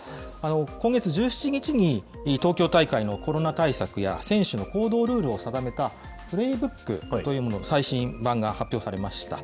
今月１７日に東京大会のコロナ対策や選手の行動ルールを定めたプレーブックというもの、最新版が発表されました。